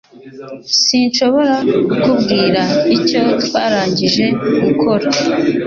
Sinshobora kukubwira icyo twarangije gukora